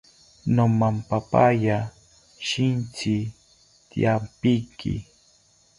Nomamapaya shintzi tyapinki